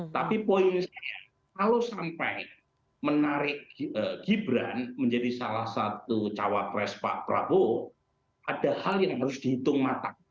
tapi poin saya kalau sampai menarik gibran menjadi salah satu cawapres pak prabowo ada hal yang harus dihitung matang